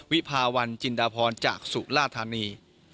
วิภาวันจินดาพรจากสุราธานี